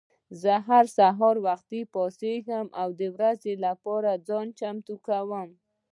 زه هر سهار وختي پاڅېږم او د ورځې لپاره ځان چمتو کوم.